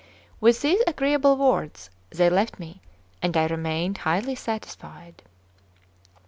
With these agreeable words they left me, and I remained highly satisfied.